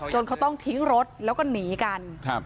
เขาต้องทิ้งรถแล้วก็หนีกัน